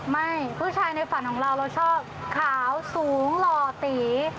ไม่ผู้ชายในฝันของเราเราชอบขาวสูงหล่อตี